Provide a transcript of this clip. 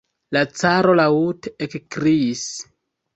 La caro laŭte ekkriis.